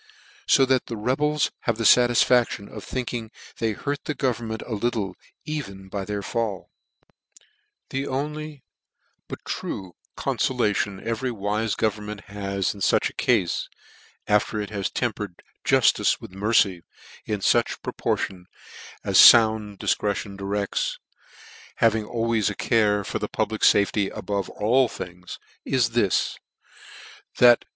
So that the rebels have the fatisfadtion of thinking they hurt the government a little even by their fall. {( The only, but true confolation, every wife government has, in fuch a cafe, (after it has tempered juftice with mercy, in fuch proportion as found difcrerion directs, having always a care of the public fafety above all things) is this ; that fucU ACCOUNT of the REBELLION in 1715.